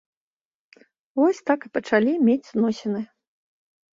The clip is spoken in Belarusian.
Вось так і пачалі мець зносіны.